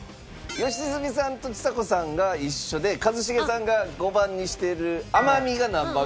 良純さんとちさ子さんが一緒で一茂さんが５番にしてる甘味が何番かいきましょうか。